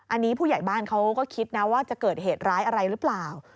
อันนี้ผู้ใหญ่บ้านเขาก็คิดนะว่าจะเกิดเหตุร้ายอะไรหรือเปล่า